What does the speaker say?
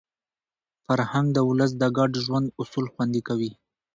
فرهنګ د ولس د ګډ ژوند اصول خوندي کوي.